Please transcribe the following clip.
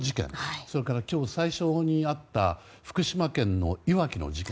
それから今日最初にあった福島県のいわきの事件。